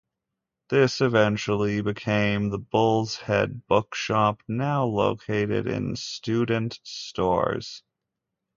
This eventually became the Bull's Head Bookshop, now located in Student Stores.